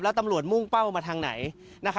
แล้วตำรวจมุ่งเป้ามาทางไหน